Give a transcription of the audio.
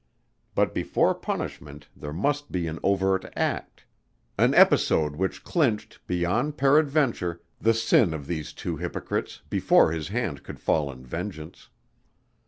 But before punishment there must be an overt act an episode which clinched, beyond peradventure, the sin of these two hypocrites before his hand could fall in vengeance.